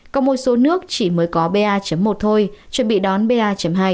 có một số nước chỉ mới có ba một thôi chuẩn bị đón ba hai